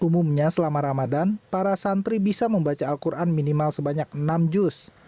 umumnya selama ramadan para santri bisa membaca al quran minimal sebanyak enam juz